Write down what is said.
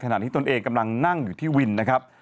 ขณะที่ตนเองกำลังนั่งอยู่ที่วินนะครับ